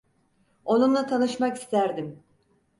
Onunla tanışmak isterdim.